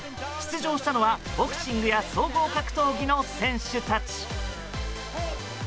出場したのはボクシングや総合格闘技の選手たち。